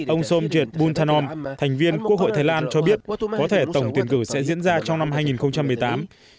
ông somjit buntanom thành viên quốc hội thái lan cho biết có thể tổng tiền cử sẽ diễn ra trong năm hai nghìn một mươi tám